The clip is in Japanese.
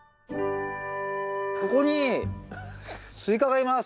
ここにスイカがいます。